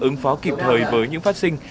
ứng phó kịp thời với những phát sinh